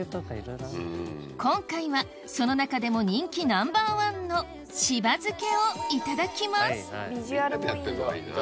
今回はその中でも人気ナンバーワンの柴漬けをいただきますビジュアルもいい。